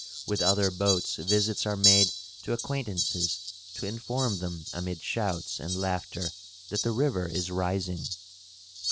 With other boats visits are made to acquaintances to inform them amid shouts and laughter that the river is rising.